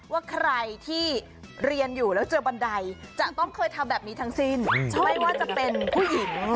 ไม่ว่าจะเป็นผู้หญิง